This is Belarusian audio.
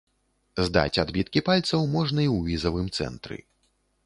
Здаць адбіткі пальцаў можна і ў візавым цэнтры.